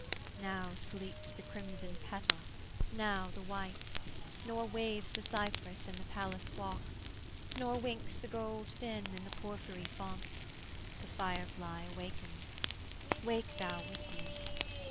'Now sleeps the crimson petal, now the white; Nor waves the cypress in the palace walk; Nor winks the gold fin in the porphyry font: The fire fly wakens: wake thou with me.